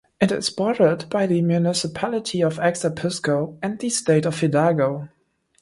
It is bordered by the municipality of Axapusco and the state of Hidalgo.